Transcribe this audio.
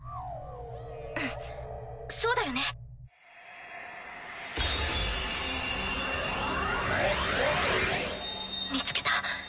うんそうだよね。見つけた。